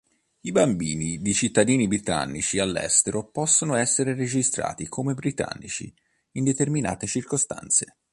I bambini di cittadini britannici all'estero possono essere registrati come britannici in determinate circostanze.